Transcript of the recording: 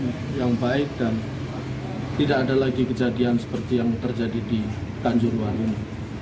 ini memang baik dan tidak ada lagi kejadian seperti yang terjadi di tanjurwan ini